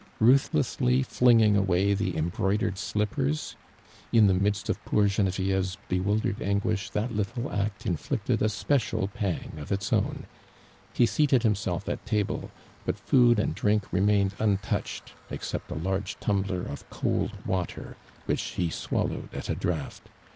Euthlessly flinging away the em broidered slippers (in the midst of poor Ge nevieve's bewildered anguish that little Jtct inflicted a special pang of its own) he seat ed himself at table, but food and drink re mained untouched, except a large tumbler of cold water which he swallowed at a draught.